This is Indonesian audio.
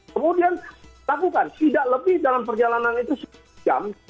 kemudian lakukan tidak lebih dalam perjalanan itu jam